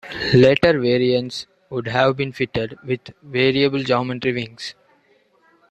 Later variants would have been fitted with variable-geometry wings.